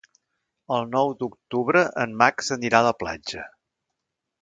El nou d'octubre en Max anirà a la platja.